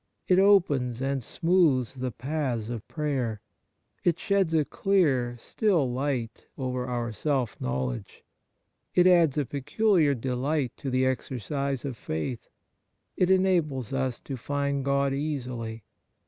It opens and smooths the paths of prayer. It sheds a clear, still light over our self knowledge. It adds a peculiar delight to the exercise of faith. It enables us to find God easily.